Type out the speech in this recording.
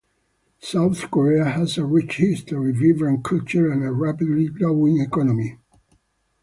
South Korea has a rich history, vibrant culture, and a rapidly growing economy.